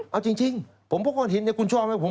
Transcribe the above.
เอาจริงผมพกก้อนหินคุณชอบไหม